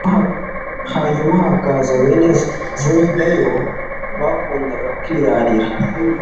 hanyuma hakaza bene Zebedayo bakundaga kwirarira